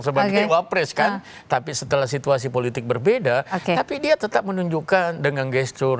sebagai wapres kan tapi setelah situasi politik berbeda tapi dia tetap menunjukkan dengan gestur